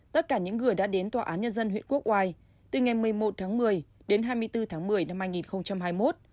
tất cả những người đã đến tòa án nhân dân huyện quốc oai từ ngày một mươi một tháng một mươi đến hai mươi bốn tháng một mươi năm hai nghìn hai mươi một